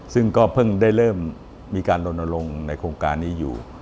ซึ่งก็เพิ่งได้เริ่มมีการลนลงในโครงการนี้อยู่